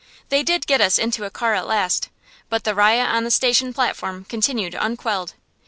They did get us into a car at last, but the riot on the station platform continued unquelled.